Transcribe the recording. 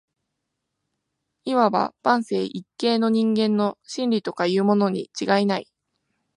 謂わば万世一系の人間の「真理」とかいうものに違いない